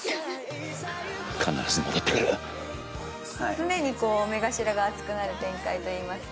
常に目頭が熱くなる展開といいますか。